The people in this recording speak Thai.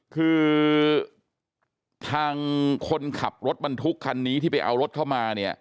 คือทางคนขับรถบรรทุกคันนี้ที่ไปเอารถเข้ามาเนี่ย